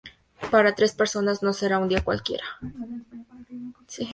Para tres personas no será un día cualquiera.